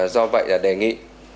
do vậy là đề nghị